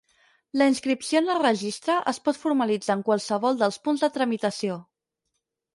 La inscripció en el Registre es pot formalitzar en qualsevol dels punts de tramitació.